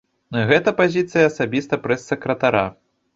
Гэта пазіцыя асабіста прэс-сакратара.